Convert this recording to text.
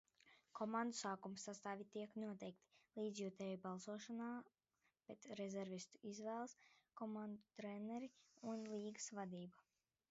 Komandu sākumsastāvi tiek noteikti līdzjutēju balsošanā, bet rezervistus izvēlas komandu treneri un līgas vadība.